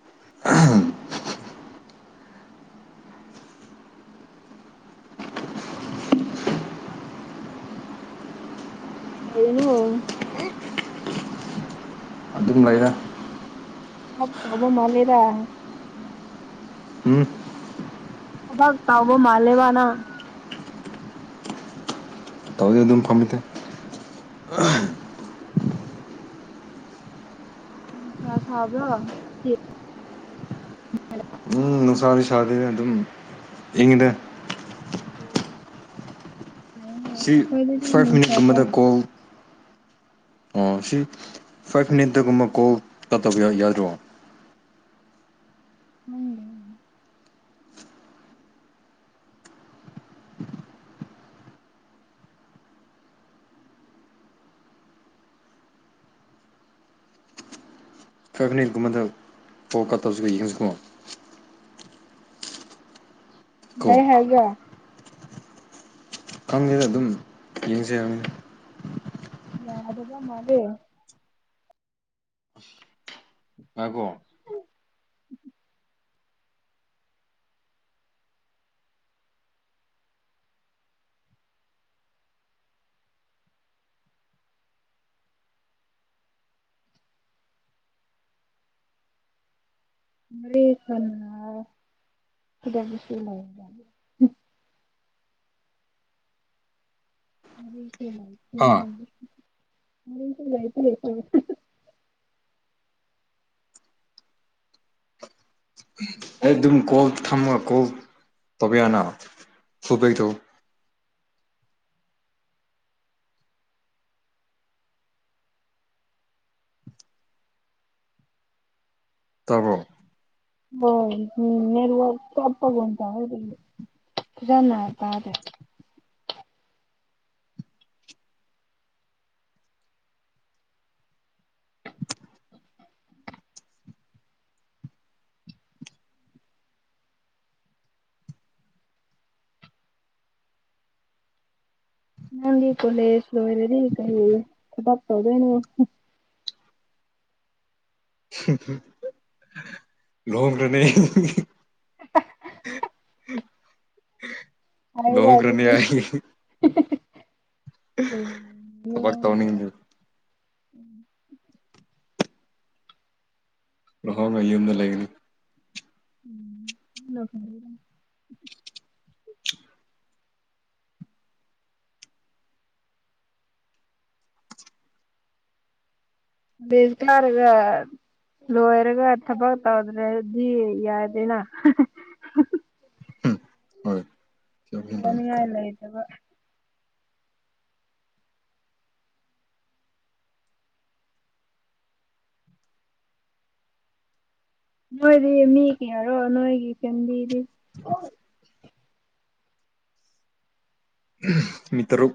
[unintelligible] ꯀꯔꯤ ꯇꯧꯋꯤꯅꯣ ꯑꯗꯨꯝ ꯂꯩꯔꯦ [inaudible] ꯃꯥꯂꯦꯗ ꯎꯝ ꯊꯕꯥꯛ ꯇꯎꯕ ꯃꯥꯜꯂꯦꯕ ꯅꯪ꯫ ꯇꯧꯗꯦ ꯑꯗꯨꯝ ꯐꯝꯃꯤꯇꯦ [unintelligible] [inaudible] ꯅꯨꯡꯁꯥ ꯁꯥꯕ꯭ꯔꯥ ꯎꯝ ꯅꯨꯡꯁꯥꯗꯤ ꯁꯥꯥꯗꯦꯗ ꯑꯗꯨꯝ ꯏꯪꯉꯤꯗ ꯑꯣ ꯐꯩꯌꯦꯅꯦ ꯁꯤ ꯑꯈꯣꯏꯗꯗꯤ ꯐꯥꯏꯚ ꯅꯨꯡꯁꯥ ꯃꯤꯅꯤꯠꯀꯨꯝꯕꯗ ꯁꯥꯏ꯫ ꯀꯣꯜ ꯑꯣ ꯁꯤ ꯐꯥꯏꯞ ꯃꯤꯅꯤꯠꯇꯒꯨꯝꯕ ꯀꯣꯜ ꯇꯠꯇꯕ ꯌꯥꯎ ꯌꯥꯗ꯭ꯔꯣ꯫ [inaudible] ꯐꯥꯏꯞ ꯃꯤꯅꯤꯠꯀꯨꯝꯕꯗ ꯐꯣꯜ ꯀꯠ ꯇꯧꯖꯤꯀꯣ ꯌꯦꯡꯖꯤꯀꯣ꯫ ꯀꯣ ꯌꯥꯏ ꯍꯥꯏꯕ꯭ꯔꯥ- ꯈꯪꯗꯦꯗ ꯑꯗꯨꯝ ꯌꯦꯡꯖꯦ ꯍꯥꯏꯕꯅꯦ ꯌꯥꯗꯕ ꯃꯥꯜꯂꯦ ꯉꯥꯏꯒꯣ ꯋꯥꯔꯤ ꯁꯥꯟꯅꯔꯔꯣꯏ ꯁꯤꯗꯁꯨ꯫ [unintelligible] ꯋꯥꯔꯤꯁꯦ ꯑꯥ ꯂꯩꯇ꯭ꯔꯦ ꯋꯥꯔꯤꯁꯦ ꯂꯩꯗꯤ ꯂꯩꯇ꯭ꯔꯦ ꯑꯩ ꯗꯨꯝ ꯀꯣꯜ ꯊꯥꯝꯃꯒ ꯀꯣꯜ ꯇꯧꯕ ꯌꯥꯅ ꯐꯨꯜꯕꯦꯛ ꯇꯧ ꯇꯥꯕ꯭ꯔꯣ ꯕꯣꯏ ꯎꯝ ꯅꯦꯠꯋꯥꯛ ꯆꯞꯄ ꯒꯦꯝ ꯁꯥꯅꯩ ꯀꯩꯒꯤꯅꯣ ꯐꯖꯟꯅ ꯍꯥꯏꯌꯨ ꯇꯥꯗꯦ꯫ ꯅꯪꯗꯤ ꯀꯣꯂꯦꯖ ꯂꯣꯏꯔꯗꯤ ꯀꯩ ꯊꯕꯛ ꯇꯧꯗꯣꯏꯅꯣ꯫ [unintelligible] ꯂꯣꯍꯣꯡꯈ꯭ꯔꯅꯤ [unintelligible] [inaudible] ꯍꯥꯏꯔꯦ ꯂꯨꯍꯣꯡꯈ꯭ꯔꯅꯤ ꯑꯗꯨꯗꯤ [inaudible] ꯑꯩ ꯊꯕꯛ ꯇꯧꯅꯤꯡꯗꯦ [inaudible] ꯂꯣꯍꯣꯡꯉ ꯌꯨꯝꯗ ꯂꯩꯒꯅꯤ꯫ [inaudible] ꯕꯦꯜ ꯊꯥꯔꯒ__ ꯂꯣꯏꯔꯒ ꯊꯕꯛ ꯇꯧꯗ꯭ꯔꯥꯗꯤ ꯌꯥꯗꯦꯅ [unintelligible] ꯍꯣꯏ ꯌꯥꯅꯤꯡꯉꯥꯏ ꯂꯩꯇꯕ ꯅꯣꯏꯗꯤ ꯃꯤ ꯀꯌꯥꯔꯣ ꯅꯣꯏꯒꯤ ꯐꯦꯝꯂꯤꯗꯤ [unintelligible] ꯃꯤ ꯇꯔꯨꯛ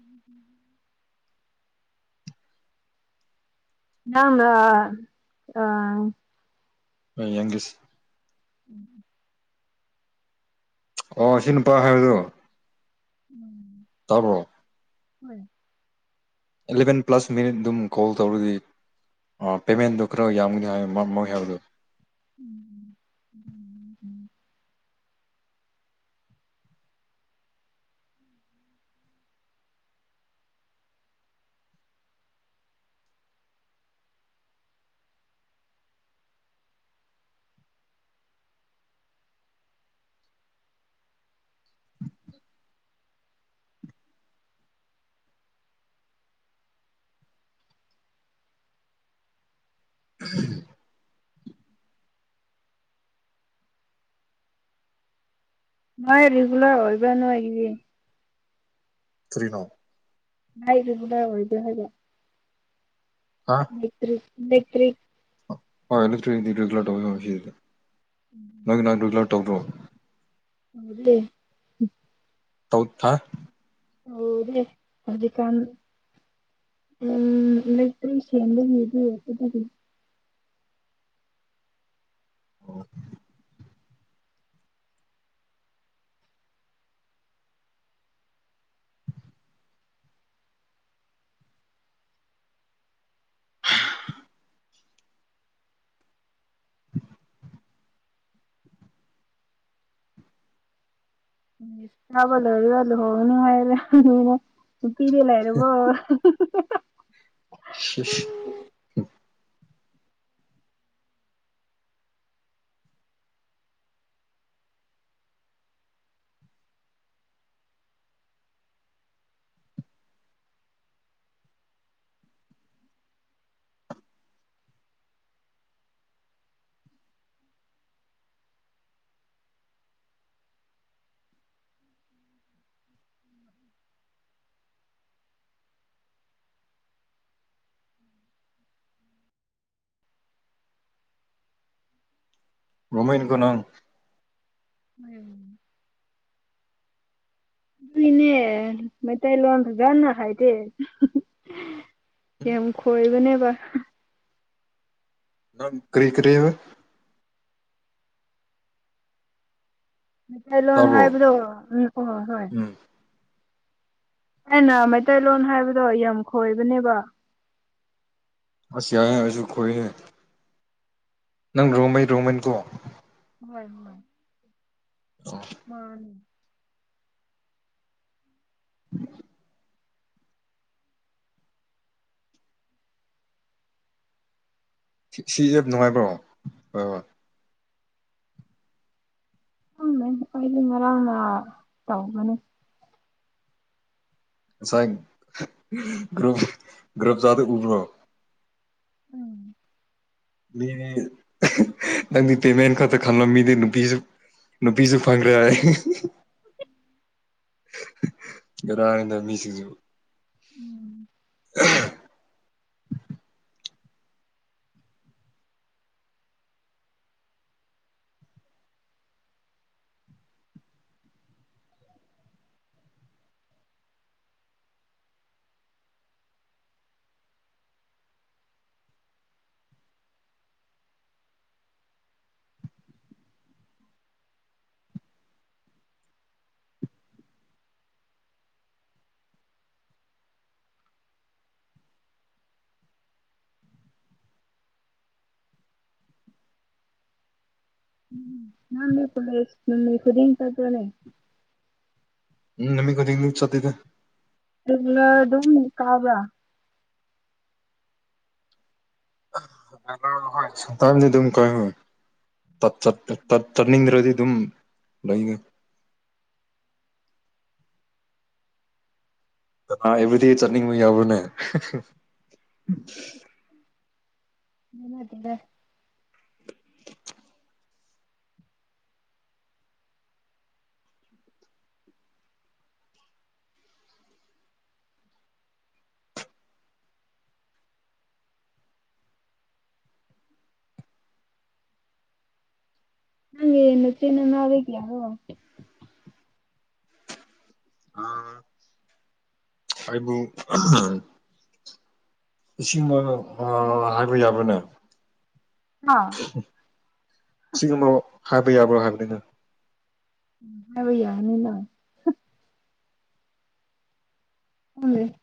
[inaudible] ꯅꯪꯅ ꯑꯥ ꯑꯥ ꯌꯦꯡꯒꯦꯁꯦ [unintelligible] ꯑꯣ ꯁꯤ ꯅꯨꯄꯥ ꯍꯥꯏꯕꯗꯣ ꯇꯥꯕ꯭ꯔꯣ ꯍꯣꯏ ꯑꯦꯂꯚꯦꯟ ꯄ꯭ꯂꯁ ꯃꯤꯅꯤꯠ ꯑꯗꯨꯝ ꯀꯣꯜ ꯇꯧꯔꯗꯤ ꯑꯥ ꯄꯦꯃꯦꯟꯗꯨ ꯈꯔꯥ ꯌꯥꯝꯒꯅꯤ ꯍꯥꯏ ꯃꯥ ꯃꯣꯏ ꯍꯥꯏꯕꯗꯨ ꯎꯝ [unintelligible] ꯃꯥꯏ ꯔꯤꯒꯨꯂꯔ ꯑꯣꯏꯕ꯭ꯔꯥ ꯅꯣꯏꯒꯤꯗꯤ ꯀꯔꯤꯅꯣ ꯃꯥꯏ ꯔꯤꯒꯤꯂꯔ ꯑꯣꯏꯕ꯭ꯔꯥ ꯍꯥꯏꯕ ꯃꯦꯇꯔ꯭ꯤꯛ ꯃꯦꯇꯔ꯭ꯤꯛ [unintelligible] ꯅꯪꯒꯤ ꯅꯍꯥꯟ ꯔꯤꯒꯨꯂꯔ ꯇꯧꯗ꯭ꯔꯣ [unintelligible] ꯇꯧ ꯊꯥ ꯇꯧꯗꯦ ꯍꯧꯖꯤꯛ ꯀꯥꯟ ꯎꯝ ꯏꯂꯦꯛꯇꯔ꯭ꯤꯛ ꯁꯦꯡꯕꯒꯤꯗꯤ [unintelligible] ꯑꯣ [unintelligible] ꯑꯦꯡꯂꯤꯁ ꯀꯥꯕꯥ ꯑꯣꯏꯔꯒ ꯂꯨꯍꯣꯡꯉꯥꯅꯤ [unintelligible] ꯅꯨꯄꯤꯗꯤ ꯂꯩꯔꯕꯣ [unintelligible] ꯁꯤꯁ ꯔꯣꯃꯩ ꯅꯤꯀꯣ ꯅꯪ [unintelligible] ꯅꯣꯏꯒꯤꯅꯦ ꯃꯩꯇꯩ ꯂꯣꯟ ꯐꯖꯅꯥ ꯍꯩꯇꯦ ꯌꯥꯝ ꯈꯣꯏꯕꯅꯦꯕ ꯅꯪ ꯀꯔꯤ ꯀꯔꯤꯕ ꯃꯩꯇꯩꯂꯣꯟ ꯇꯥꯕ꯭ꯔꯣ ꯍꯥꯏꯕꯗꯣ [unintelligible] ꯎꯝ ꯑꯩꯅ ꯃꯩꯇꯩꯂꯣꯟ ꯍꯥꯏꯕꯗꯣ ꯌꯥꯝ ꯈꯣꯏꯕꯅꯦꯕ ꯑꯁ ꯌꯥꯏ ꯍꯥꯏꯕꯁꯨ ꯈꯣꯏꯔꯦ ꯅꯪ ꯔꯣꯃꯩ ꯔꯣꯃꯤꯟꯀꯣ ꯍꯣꯏ ꯍꯣꯏ ꯑꯣ ꯃꯥꯅꯦ ꯁꯤ ꯁꯤ [unintelligible] ꯅꯨꯡꯉꯥꯏꯕ꯭ꯔꯣ ꯑꯥ ꯈꯪꯗꯦ ꯑꯩꯗꯤ ꯉꯔꯡꯅ ꯇꯧꯕꯅꯦ ꯉꯁꯥꯏ ꯒꯔꯨ꯭ꯞ ꯒꯔꯨ꯭ꯞ ꯆꯥꯗꯣ ꯎꯕ꯭ꯔꯣ ꯎꯝ [unintelligible] ꯅꯪꯗꯤ ꯄꯦꯃꯦꯟ ꯈꯛꯇꯥ ꯈꯜꯂꯝꯃꯤꯅꯦ ꯅꯨꯄꯤꯖꯨ ꯅꯨꯄꯤꯁꯨ ꯐꯪꯈ꯭ꯔꯦ ꯍꯥꯏ ꯉꯔꯥꯡꯅ ꯃꯤ ꯁꯤꯡꯖꯨ ꯎꯝ ꯎꯝ ꯅꯝꯃꯤ ꯀꯂꯁ ꯍꯔꯤ ꯇꯗꯅꯦ ꯎꯝꯃꯤ ꯀꯔꯤꯡ ꯆꯤꯗꯦ ꯑꯗꯨꯝ ꯀꯥꯕ꯭ꯔ ꯍ ꯇꯥꯏꯃꯤꯗꯤ ꯑꯗꯨꯃꯤ ꯀꯣꯏ ꯍꯣꯏ ꯇꯠ ꯆꯠꯅꯤꯡꯗ꯭ꯔꯗꯤ ꯑꯗꯨꯝ ꯂꯩꯅꯤ ꯀꯅꯥ ꯑꯩꯕꯨꯗꯤ ꯆꯠꯅꯤꯡꯕ ꯌꯥꯎꯕꯅꯦ ꯅꯟꯅ ꯇꯦꯔ ꯅꯪꯦ ꯅ ꯆꯦꯅ ꯅꯅꯥꯕꯦ ꯀ ꯌꯥꯗꯣ ꯑ ꯑꯩꯕꯨ ꯏꯁꯤꯡ [unintelligible] ꯍꯥꯏꯕ ꯌꯥꯕꯅꯦ ꯑ ꯁꯤꯒꯨꯝꯣ ꯍꯕꯤꯕꯤ ꯌꯥꯕꯣ ꯍꯥꯗ ꯍꯕ ꯌꯥꯅꯤꯅ [inaudible]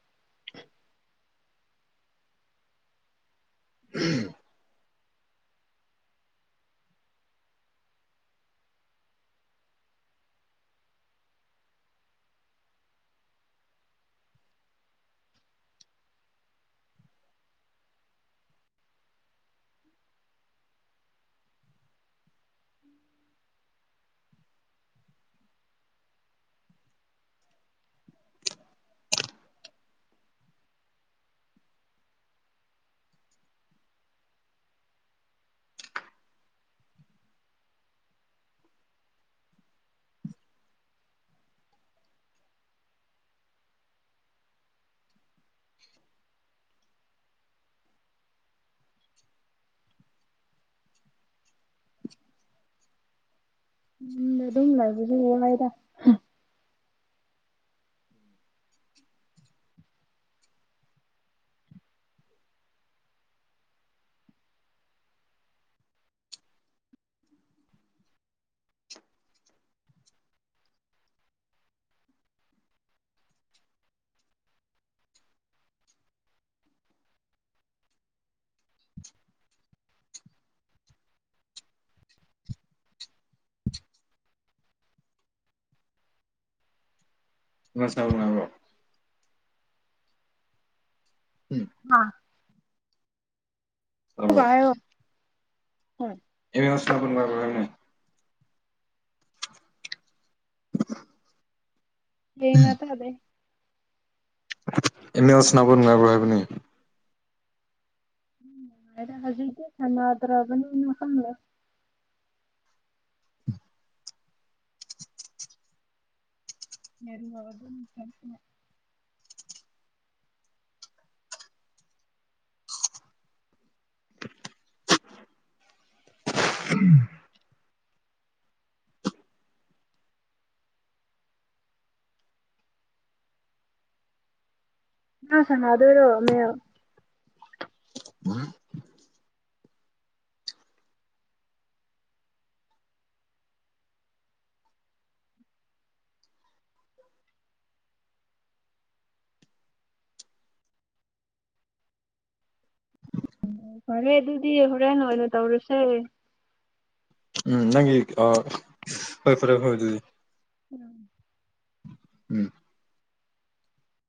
ꯎꯝ ꯑꯗꯨꯝ [inaudible] [unintelligible] ꯎꯝ ꯑ [unintelligible] ꯇꯥꯕ꯭ꯔꯣ ꯍꯥꯏꯔ [unintelligible] [inaudible] ꯌꯦꯟ ꯉꯥꯛꯇ ꯍꯥꯏꯕ ꯑꯩꯅ ꯑꯦꯝ ꯑꯦꯜꯁ ꯁꯥꯅꯥꯕ ꯅꯨꯡꯉꯥꯏꯕ꯭ꯔꯣ ꯍꯥꯏꯕꯅꯦ ꯃ ꯍꯧꯖꯤꯦ ꯆ ꯑ꯭ꯔꯒꯅꯤꯅ ꯀꯂ [inaudible] ꯎꯝ ꯅꯪ ꯁꯥꯅꯥꯗꯣꯏꯔꯣ ꯃꯦꯜ ꯑꯣ ꯐꯔꯦ ꯑꯗꯨꯗꯤ ꯍꯣꯔꯦꯟ ꯑꯣꯏꯅ ꯇꯧꯔꯁꯦ ꯎꯝ ꯅꯪꯒꯤ ꯑ ꯍꯣꯏ ꯐꯔꯦ ꯐꯔꯦ ꯑꯗꯨꯗꯤ ꯎꯝ ꯎꯝ